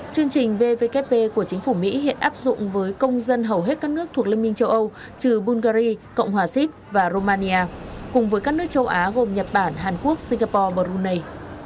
chương trình vvkp của chính phủ mỹ hiện áp dụng với công dân hầu hết các nước thuộc liên minh châu âu trừ bulgari cộng hòa sip và romania cùng với các nước châu á gồm nhật bản hàn quốc singapore và brunei